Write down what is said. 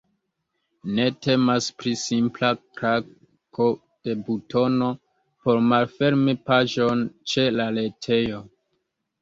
Ne temas pri simpla klako de butono por malfermi paĝon ĉe la retejo.